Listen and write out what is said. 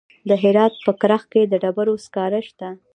د هرات په کرخ کې د ډبرو سکاره شته.